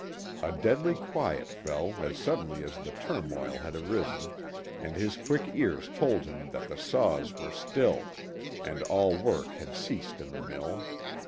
A deadly quiet fell as suddenly as the turmoil had arisen, and his quick ears told him that the saws were still, and all work had ceased in the mill.